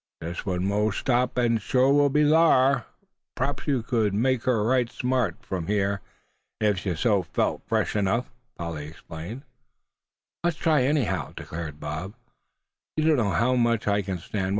"Jest wun moah stop, an' shore we'll be thar; p'raps we cud make her right smart from hyah, ef so be yuh felt fresh enuff," Polly explained. "Let's try, anyhow," declared Bob; "you don't know how much I can stand.